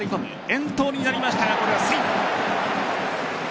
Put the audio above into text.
遠投になりましたがこれはセーフ。